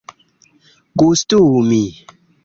gustumi